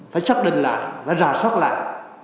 phải xác định lại phải rà soát lại